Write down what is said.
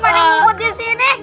paling umut di sini